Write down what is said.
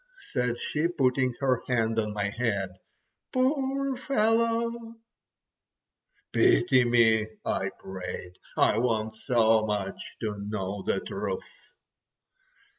said she, putting her hand on my head, "poor fellow!" "Pity me," I prayed, "I want so much to know the truth."